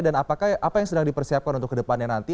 dan apakah apa yang sedang dipersiapkan untuk ke depannya nanti